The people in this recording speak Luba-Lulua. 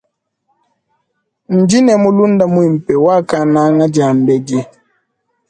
Ndine mulunda mwimpe wakananga dia mbedi.